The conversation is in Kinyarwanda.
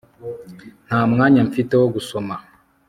nta mwanya mfite wo gusoma